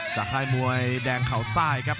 จากค่ายมวยแดงเขาไส้ครับ